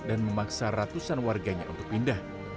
memaksa ratusan warganya untuk pindah